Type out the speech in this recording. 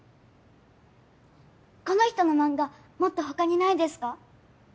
この人の漫画もっと他にないですか？